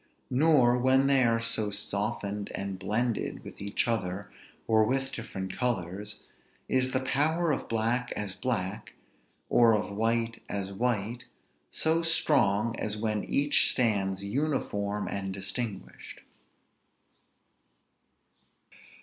Nor, when they are so softened and blended with each other, or with different colors, is the power of black as black, or of white as white, so strong as when each stands uniform and distinguished.